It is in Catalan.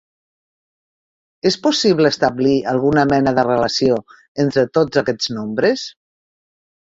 És possible establir alguna mena de relació entre tots aquests nombres?